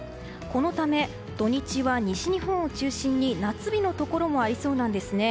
このため土日は西日本を中心に夏日のところもありそうなんです。